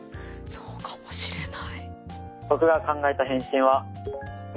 そうかもしれない。